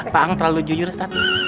pak ang terlalu jujur stabil